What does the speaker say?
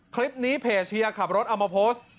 คลิปนี้เพจเฮียขับรถเอามาโพสต์